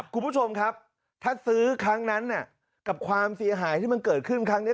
คุณผู้ชมครับถ้าซื้อครั้งนั้นกับความเสียหายที่มันเกิดขึ้นครั้งนี้